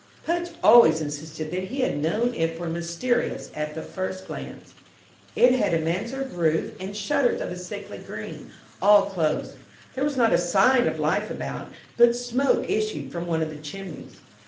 Pudge always insisted that he had known it for mysterious at the first glance. It had a mansard roof and shutters of a sickly green, all closed; there was not a sign of life about, but smoke issued from one of the chimneys.